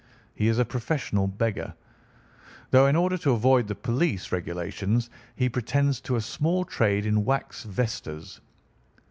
He is a professional beggar, though in order to avoid the police regulations he pretends to a small trade in wax vestas.